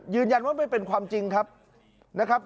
ยืนยันว่าไม่เป็นความจริงครับนะครับ